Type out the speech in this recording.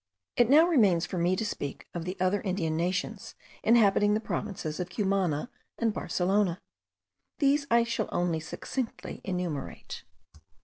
It now remains for me to speak of the other Indian nations inhabiting the provinces of Cumana and Barcelona. These I shall only succinctly enumerate.